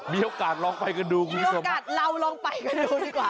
มีโอกาสลองไปกันดูคุณผู้ชมมีโอกาสเราลองไปกันดูดีกว่า